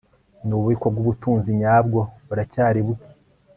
nububiko bwubutunzi nyabwo buracyari buke